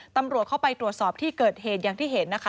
ตำรวจเข้าไปตรวจสอบที่เกิดเหตุอย่างที่เห็นนะคะ